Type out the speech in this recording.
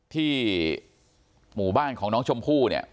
ที่หมู่บ้านของน้องชมพู่เนี่ย